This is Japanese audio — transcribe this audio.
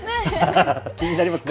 気になりますね。